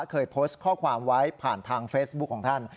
เคยโพสต์ข้อความไว้ผ่านทางเฟซบุ๊คของท่าน